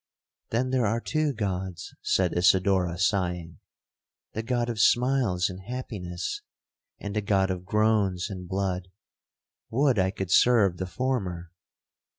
'—'Then there are two Gods,' said Isidora sighing, 'the God of smiles and happiness, and the God of groans and blood. Would I could serve the former!'